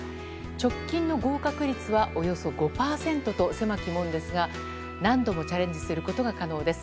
直近の合格率はおよそ５％と狭き門ですが何度もチャレンジすることが可能です。